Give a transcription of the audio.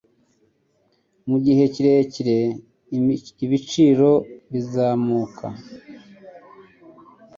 Mu gihe kirekire ibiciro bizamuka